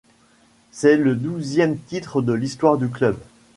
C'est le douzième titre de l'histoire du club.